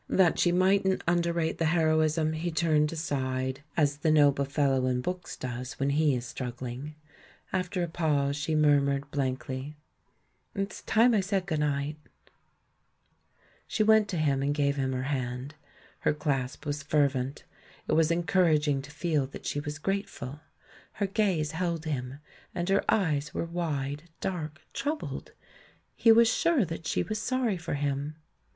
That she mightn't underrate the heroism, he turned aside. 10 THE MAN WHO UNDERSTOOD WOMEN as the noble fellow in books does when he is struggling. After a pause, she murmured blankly, "It's time I said 'good night.' " She went to him and gave him her hand. Her clasp was fervent — it was encouraging to feel that she was grateful! Her gaze held him, and her eyes were wide, dark, troubled; he was sure that she was sorry for him.